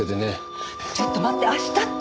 ちょっと待って明日って。